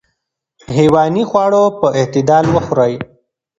حیواني خواړه په اعتدال وخورئ.